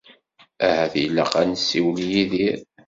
Ahat ilaq ad nsiwel i Yidir.